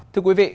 thưa quý vị